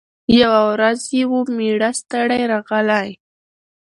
یوه ورځ یې وو مېړه ستړی راغلی